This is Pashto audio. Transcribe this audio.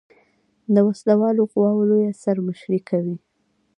د وسله والو قواؤ لویه سر مشري کوي.